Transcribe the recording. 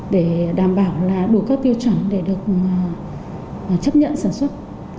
để đảm bảo đủ các tiêu chuẩn để được chấp nhận sản xuất